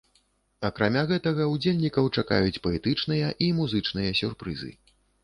Акрамя гэтага, удзельнікаў чакаюць паэтычныя і музычныя сюрпрызы.